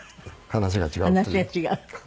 話が違う。